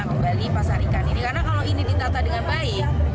kembali pasar ikan ini karena kalau ini ditata dengan baik